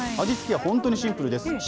味付けは本当にシンプルです。